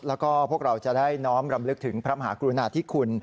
แล้วก็พวกเราจะได้น้อมรำลึกถึงพระมหากรุณาธิคุณ